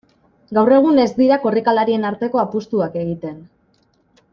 Gaur egun ez dira korrikalarien arteko apustuak egiten.